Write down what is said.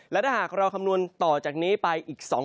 และถ้าหากเราคำนวณต่อจากนี้ไปอีก๒๐